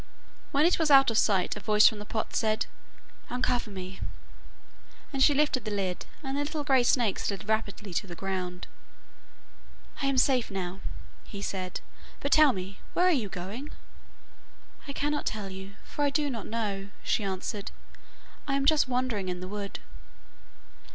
When it was out of sight, a voice from the pot said: 'Uncover me,' and she lifted the lid, and the little grey snake slid rapidly to the ground. 'I am safe now,' he said. 'But tell me, where are you going?' 'I cannot tell you, for I do not know,' she answered. 'I am just wandering in the wood.